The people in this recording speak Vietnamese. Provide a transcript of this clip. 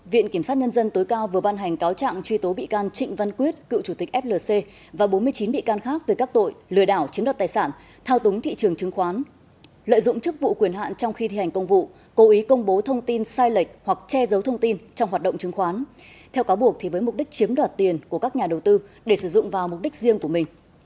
viện kiểm soát nhân dân tối cao vừa ban hành cáo trạng truy tố bị can trịnh văn quyết cựu chủ tịch flc và bốn mươi chín bị can khác từ các tội lừa đảo chiếm đoạt tài sản thao túng thị trường chứng khoán lợi dụng chức vụ quyền hạn trong khi thi hành công vụ cố ý công bố thông tin sai lệch hoặc che giấu thông tin trong hoạt động chứng khoán theo cáo buộc với mục đích chiếm đoạt tiền của các nhà đầu tư để sử dụng vào mục đích riêng của mình